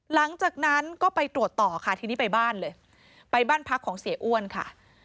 หลังจากนั้นก็ไปตรวจต่อค่ะทีนี้ไปบ้านเลยไปบ้านพักของเสียอ้วนค่ะ